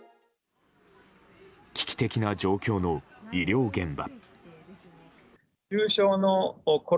危機的な状況の医療現場。